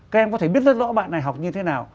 các em có thể biết rất rõ bạn này học như thế nào